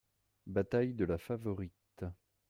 Bataille de la Favorite.